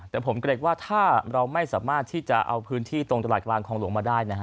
แต่ผมเกรงว่าถ้าเราไม่สามารถที่จะเอาพื้นที่ตรงตลาดกลางคลองหลวงมาได้นะฮะ